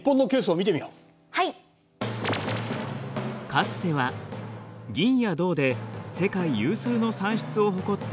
かつては銀や銅で世界有数の産出を誇った日本。